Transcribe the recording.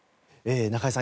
中井さん